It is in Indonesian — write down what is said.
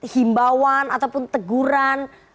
himbauan ataupun teguran